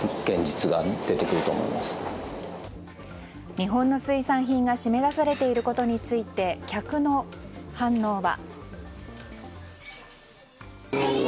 日本の水産品が締め出されていることについて客の反応は。